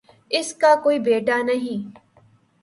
اس کا کوئی بیٹا نہیں